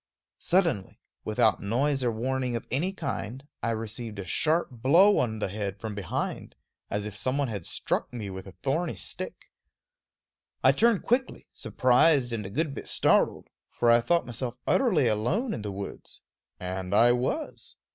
Suddenly, without noise or warning of any kind, I received a sharp blow on the head from behind, as if some one had struck me with a thorny stick. I turned quickly, surprised and a good bit startled; for I thought myself utterly alone in the woods and I was.